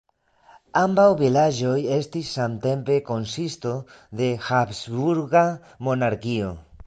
Ambaŭ vilaĝoj estis samtempe konsisto de Habsburga monarkio.